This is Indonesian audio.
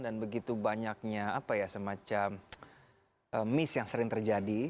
dan begitu banyaknya apa ya semacam miss yang sering terjadi